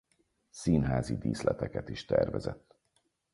Színházi díszleteket is tervezett.